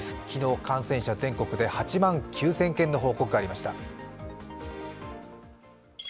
昨日、感染者、全国で８万９０００件の報告がありました。